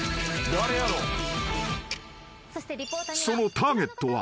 ［そのターゲットは］